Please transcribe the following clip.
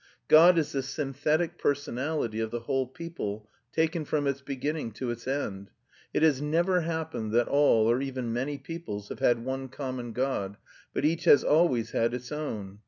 God is the synthetic personality of the whole people, taken from its beginning to its end. It has never happened that all, or even many, peoples have had one common god, but each has always had its own.